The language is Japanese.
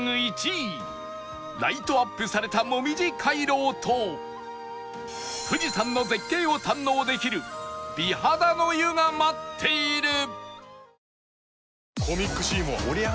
１位ライトアップされたもみじ回廊と富士山の絶景を堪能できる美肌の湯が待っている